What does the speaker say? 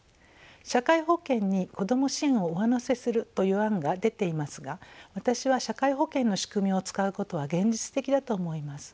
社会保険に子ども支援を上乗せするという案が出ていますが私は社会保険の仕組みを使うことは現実的だと思います。